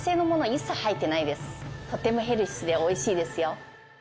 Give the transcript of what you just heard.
とってもヘルシーで美味しいですよ。